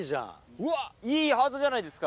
うわいいハートじゃないですか。